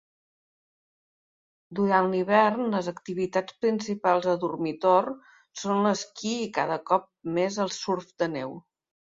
Durant l"hivern, les activitats principals a Durmitor són l"esquí i cada cop més el surf de neu.